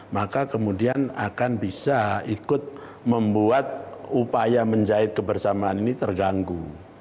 maka kemudian akan bisa ikut membuat upaya menjahit kebersamaan ini terganggu